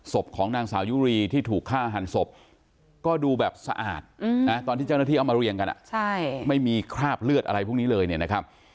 ศพของนางสาวยุรีที่ถูกฆ่าหันศพก็ดูแบบสะอาดตอนที่เจ้าหน้าที่เอามาเรียงกันไม่มีคราบเลือดอะไรพวกนี้เลยเนี่ยนะครับ